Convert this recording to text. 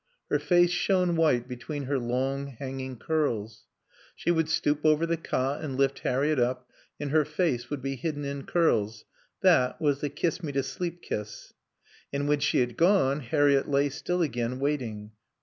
Her face shone white between her long, hanging curls. She would stoop over the cot and lift Harriett up, and her face would be hidden in curls. That was the kiss me to sleep kiss. And when she had gone Harriett lay still again, waiting.